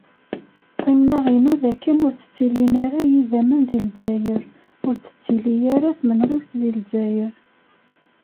Ṭṭmna-inu dakken ur d-ttilin ara yidammen di Lezzayer, ur d-tettili ara tmenɣiwt di Lezzayer.